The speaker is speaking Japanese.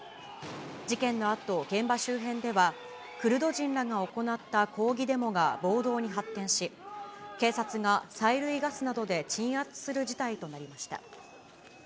事件のあと、現場周辺ではクルド人らが行った抗議デモが暴動に発展し、警察が催涙ガスなどで鎮圧する事態となりました。